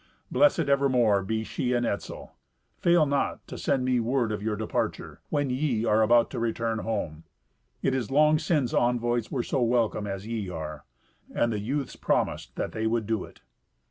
Blessed evermore be she and Etzel. Fail not to send me word of your departure, when ye are about to return home. It is long since envoys were so welcome as ye are." And the youths promised that they would do it.